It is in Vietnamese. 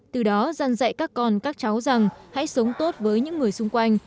từ đó dân dạy các con các cháu rằng hãy sống tốt với những người xung quanh